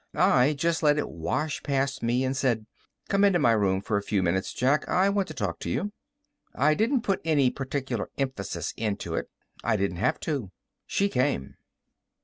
I just let it wash past me and said: "Come into my room for a few minutes, Jack; I want to talk to you." I didn't put any particular emphasis into it. I don't have to. She came.